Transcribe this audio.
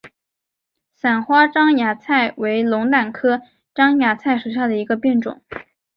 伞花獐牙菜为龙胆科獐牙菜属下的一个变种。